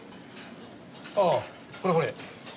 ああこれこれ。